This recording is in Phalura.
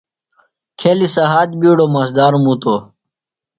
کھیلیُ سھات بِیڈوۡ مزہ دار مُتوۡ۔